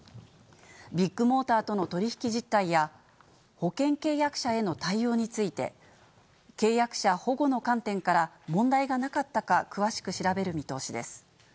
ビッグモーターとの取り引き実態や、保険契約者への対応について、契約者保護の観点から、問題がなかったか詳しく調べる見通しです。